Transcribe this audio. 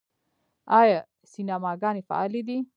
آیا سینماګانې فعالې دي؟